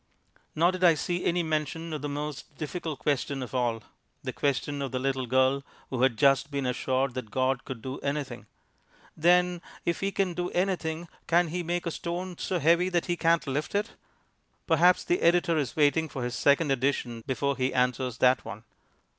Nor did I see any mention of the most difficult question of all, the question of the little girl who had just been assured that God could do anything. "Then, if He can do anything, can He make a stone so heavy that He can't lift it?" Perhaps the editor is waiting for his second edition before he answers that one.